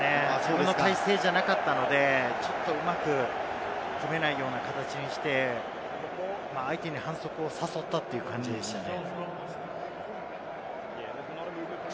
あの体勢じゃなかったのでちょっとうまく組めないような形にして、相手に反則を誘ったという感じでしたね。